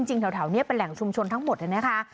จริงแถวนี้เป็นแหล่งชุมชนทั้งหมดเลยนะคะ